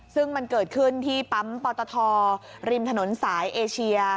ซึ่งมันเกิดขึ้นที่ปั๊มปอตทริมถนนสายเอเชีย